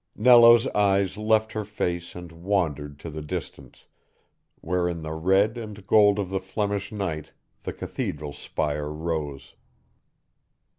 Nello's eyes left her face and wandered to the distance, where in the red and gold of the Flemish night the cathedral spire rose.